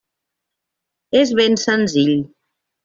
És ben senzill.